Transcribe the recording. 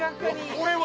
これは。